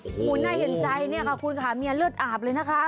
โอ้โหน่าเห็นใจเนี่ยค่ะคุณค่ะเมียเลือดอาบเลยนะคะ